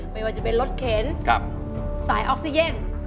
ไม่ว่าจะเป็นรถเข็นสายออกซิเจน